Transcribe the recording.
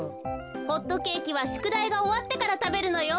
ホットケーキはしゅくだいがおわってからたべるのよ。